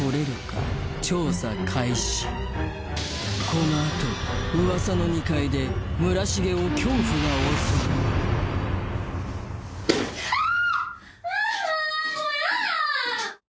このあと噂の２階で村重を恐怖が襲うキャー！